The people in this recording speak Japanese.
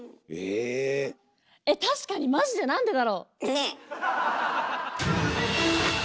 確かにマジでなんでだろう